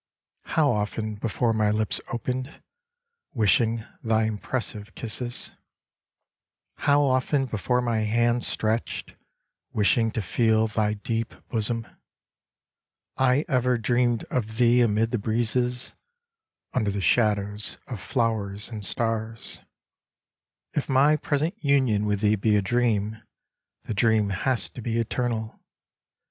How often before my lips opened, Wishir^ thy impressive kisses ; How often before my hands stretched, Wishing to feel thy deep bosom : I ever dreamed of thee amid the breezes, Under the shadows of flowers and stars : Homekotoba 57 If my present union with thee be a dream. The dream has to be eternal.